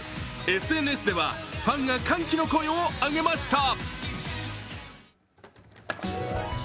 ＳＮＳではファンが歓喜の声を上げました。